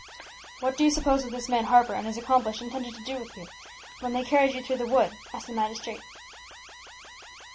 "What do you suppose that this man Harper and his accomplice intended to do with you, when they carried you through the wood?" asked the magistrate.